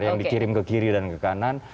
yang dikirim ke kiri dan ke kanan